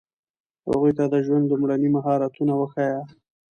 هغوی ته د ژوند لومړني مهارتونه وښایئ.